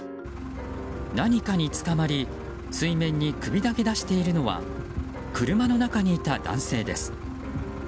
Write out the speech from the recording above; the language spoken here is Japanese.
何かにつかまり水面に首だけ出しているのは車の中にいた男性です。